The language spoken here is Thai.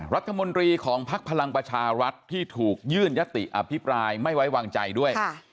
รัฐมนตรีของภักดิ์พลังประชารัฐที่ถูกยื่นยติอภิปรายไม่ไว้วางใจด้วย